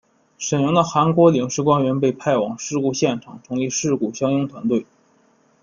沈阳的韩国领事官员被派往事故现场成立事故相应团队。